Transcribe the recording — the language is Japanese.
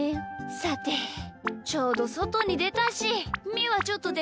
さてちょうどそとにでたしみーはちょっとでかけてくるね。